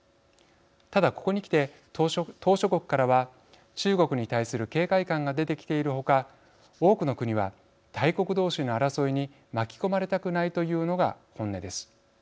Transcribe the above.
ただここにきて島しょ国からは中国に対する警戒感が出てきているほか多くの国は大国同士の争いに巻き込まれたくないというのが本音です。